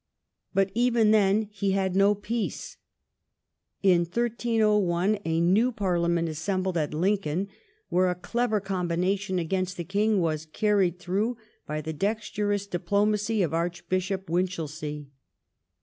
But even then he had no peace. In 1301 a new parliament assembled at Lincoln, where a clever combination against the king was carried through by the dexterous diplomacy of Archbishop Winchelsea.